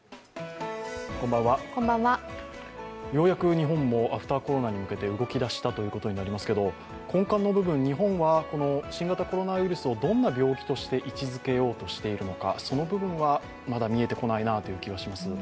ようやく日本もアフターコロナに向けて動き出したということになりますけど、根幹の部分、日本は新型コロナウイルスをどんな病気として位置づけようとしているのか、その部分はまだ見えてこないなという気がします。